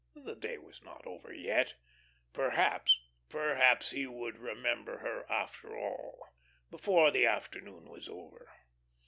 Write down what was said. The day was not over yet; perhaps, perhaps he would remember her, after all, before the afternoon was over.